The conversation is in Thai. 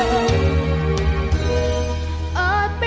แน่แน่รู้เหรอ